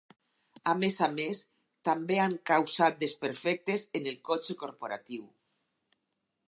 A més a més, també han causat desperfectes en el cotxe corporatiu.